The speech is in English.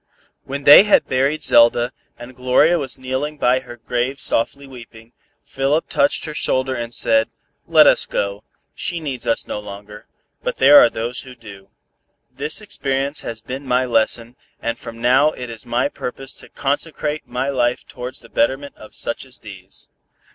When they had buried Zelda, and Gloria was kneeling by her grave softly weeping, Philip touched her shoulder and said, "Let us go, she needs us no longer, but there are those who do. This experience has been my lesson, and from now it is my purpose to consecrate my life towards the betterment of such as these.